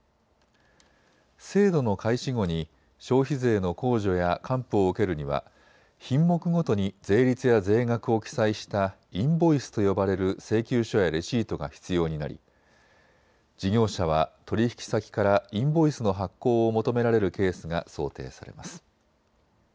制度の開始後に消費税の控除や還付を受けるには品目ごとに税率や税額を記載したインボイスと呼ばれる請求書やレシートが必要になり事業者は取引先からインボイスの発行を求められるケースが想定されます。